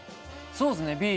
そうですね